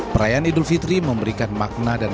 perayaan idul fitri memberikan makna dan